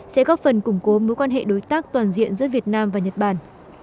sẽ góp phần củng cố mối quan hệ đối tác toàn diện giữa việt nam và nhật bản